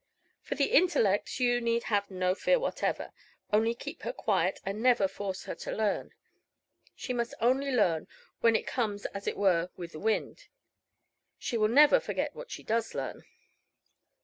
For the intellect you need have no fear whatever. Only keep her quiet, and never force her to learn. She must only learn when it comes as it were with the wind. She will never forget what she does learn."